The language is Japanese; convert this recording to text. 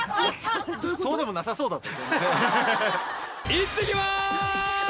いってきます！